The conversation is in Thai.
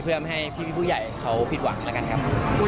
เพื่อไม่ให้พี่ผู้ใหญ่เขาผิดหวังแล้วกันครับ